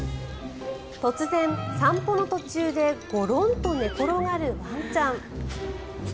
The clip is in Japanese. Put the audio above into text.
突然、散歩の途中でゴロンと寝転がるワンちゃん。